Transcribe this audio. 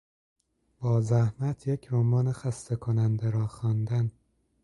با زحمت یک رمان خسته کننده را خواندن